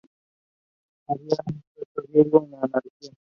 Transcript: Había un cierto riesgo a la anarquía.